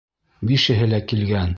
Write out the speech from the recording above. Бишеһе лә килгән!